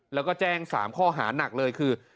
แล้วก็แจ้ง๓ข้อหานักเลยคือ